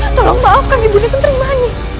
tolong maafkan ibu nda keterima ini